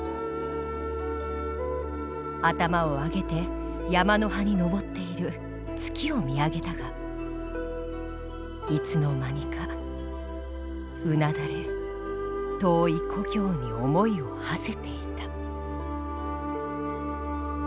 頭を上げて山の端に昇っている月を見上げたがいつの間にかうなだれ遠い故郷に思いを馳せていた」。